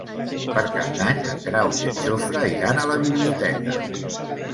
Per Cap d'Any en Grau i en Jofre iran a la biblioteca.